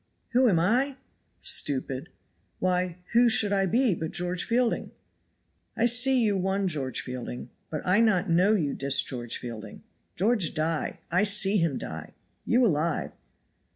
"Who am I? stupid. Why, who should I be but George Fielding?" "I see you one George Fielding, but I not know you dis George Fielding. George die. I see him die. You alive.